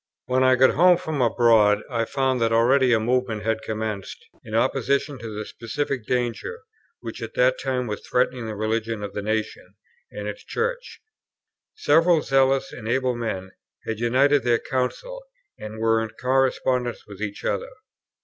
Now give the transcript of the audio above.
When I got home from abroad, I found that already a movement had commenced, in opposition to the specific danger which at that time was threatening the religion of the nation and its Church. Several zealous and able men had united their counsels, and were in correspondence with each other.